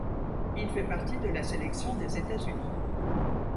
Il fait partie de la sélection des Etats-Unis.